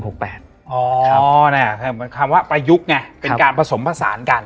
เหมือนคำว่าประยุกต์ไงเป็นการผสมผสานกัน